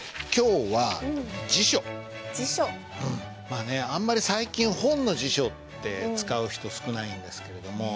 まあねあんまり最近本の辞書って使う人少ないんですけれども。